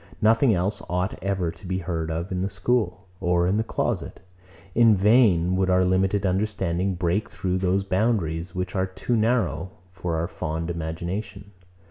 Nothing else ought ever to be heard of in the school, or in the closet. In vain would our limited understanding break through those boundaries, which are too narrow for our fond imagination.